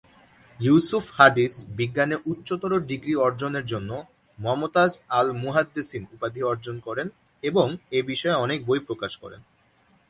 ইউসুফ হাদীস বিজ্ঞানে উচ্চতর ডিগ্রি অর্জনের জন্য "মমতাজ আল-মুহাদ্দেসিন" উপাধি অর্জন করেন এবং এ বিষয়ে অনেক বই প্রকাশ করেন।